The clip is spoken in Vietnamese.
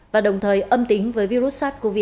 và đồng thời âm tính với virus sars cov hai